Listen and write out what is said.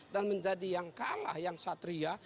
dan menjadi yang kalah yang satria